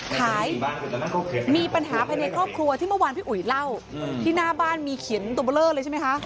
มีปัญหาภายในครอบครัวที่เมื่อวานพี่อุ๋ยเล่าที่หน้าบ้านมีเขียนตัวเบอร์เลอร์เลยใช่ไหมคะ